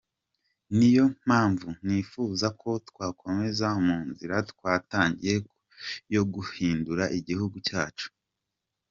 Niyo mpamvu nifuza ko twakomeza mu nzira twatangiye yo guhindura Igihugu cyacu.